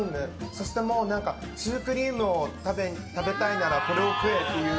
そしてシュークリームを食べたいならこれを食えっていう。